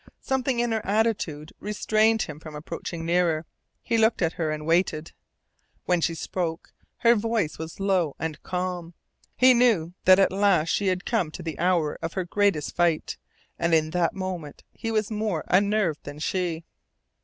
Something in her attitude restrained him from approaching nearer. He looked at her, and waited. When she spoke her voice was low and calm. He knew that at last she had come to the hour of her greatest fight, and in that moment he was more unnerved than she.